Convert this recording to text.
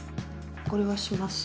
これはします。